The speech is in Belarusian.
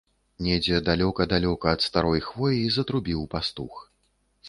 Недзе далёка-далёка, ад старой хвоі, затрубіў пастух.